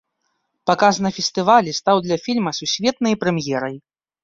Паказ на фестывалі стаў для фільма сусветнай прэм'ерай.